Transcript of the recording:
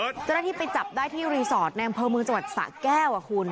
เจ้าหน้าที่ไปจับได้ที่รีสอร์ทในอำเภอเมืองจังหวัดสะแก้วคุณ